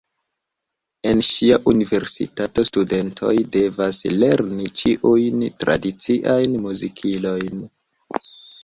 En ŝia universitato studentoj devas lerni ĉiujn tradiciajn muzikilojn.